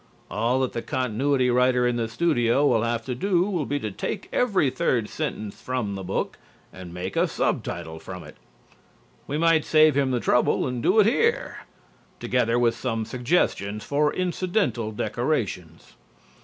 All that the continuity writer in the studio will have to do will be to take every third sentence from the book and make a subtitle from it. We might save him the trouble and do it here, together with some suggestions for incidental decorations.